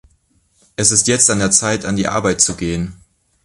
Es ist jetzt an der Zeit, an die Arbeit zu gehen.